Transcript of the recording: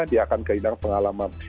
dia akan kehilangan pengalaman